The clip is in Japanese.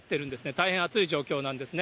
大変暑い状況なんですね。